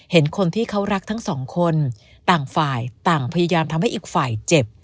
เห็นคนที่เขารักทั้งสองคนต่างฝ่ายต่างพยายามทำให้อีกฝ่ายเจ็บ